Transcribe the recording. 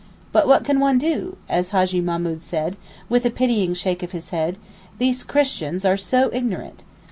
'But what can one do?' as Hajjee Mahmood said, with a pitying shake of his head; 'these Christians are so ignorant!